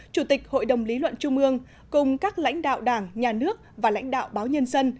chủ tịch hội đồng lý luận trung ương cùng các lãnh đạo đảng nhà nước và lãnh đạo báo nhân dân